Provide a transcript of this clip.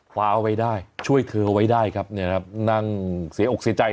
คว้าเอาไว้ได้ช่วยเธอเอาไว้ได้ครับเนี่ยครับนั่งเสียอกเสียใจ